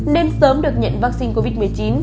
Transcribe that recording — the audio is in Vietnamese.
nên sớm được nhận vắc xin covid một mươi chín